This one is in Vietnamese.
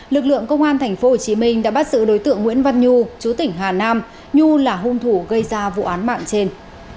lực lượng công an tp hcm đã bắt giữ đối tượng nguyễn văn nhu chú tỉnh hà nam nhu là hung thủ gây ra vụ án mạng trên